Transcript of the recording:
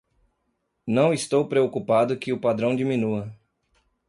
Não estou preocupado que o padrão diminua.